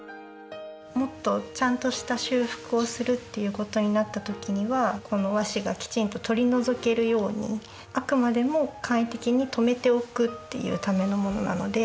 もっとちゃんとした修復をするっていうことになった時にはこの和紙がきちんと取り除けるようにあくまでも簡易的にとめておくっていうためのものなので。